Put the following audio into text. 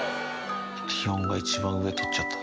リオンが一番上取っちゃった。